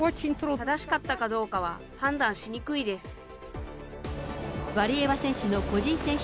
正しかったかどうかは判断しにくいです。